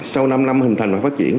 sau năm năm hình thành và phát triển